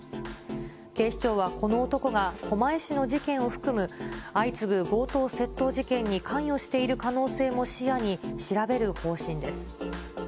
警視庁はこの男が狛江市の事件を含む相次ぐ強盗窃盗事件に関与している可能性も視野に、調べる方針です。